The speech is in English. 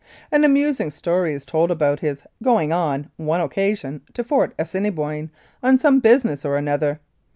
An amusing story is told about his going on one occasion to Fort Assiniboine on some business or other.